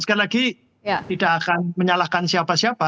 sekali lagi tidak akan menyalahkan siapa siapa